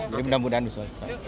jadi mudah mudahan bisa